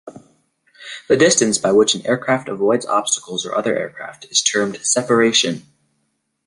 The distance by which an aircraft avoids obstacles or other aircraft is termed "separation".